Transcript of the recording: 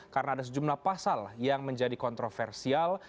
karena ada sejumlah pasal yang menjadi kontroversial